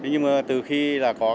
nhưng mà từ khi là có